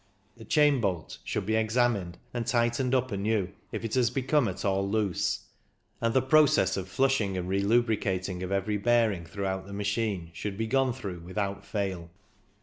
The chain bolt should be examined, and tightened up anew if it has become at all loose, and the process of flushing and re lubricating of every bearing throughout the machine should be gone through without fail.